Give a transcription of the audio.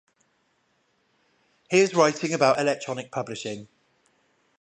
He is writing about electronic publishing.